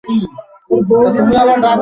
জ্বি স্যার, তালাবন্ধ থাকে।